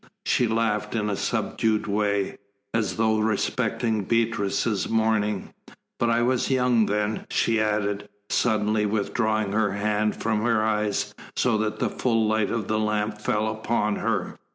She laughed in a subdued way, as though respecting Beatrice's mourning. "But I was young then," she added, suddenly withdrawing her hand from her eyes, so that the full light of the lamp fell upon her.